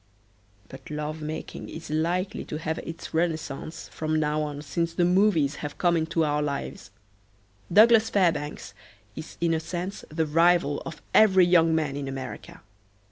But love making is likely to have its renaissance from now on since the movies have come into our lives. Douglas Fairbanks is in a sense the rival of every young man in America.